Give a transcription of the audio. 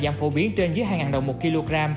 giảm phổ biến trên dưới hai đồng một kg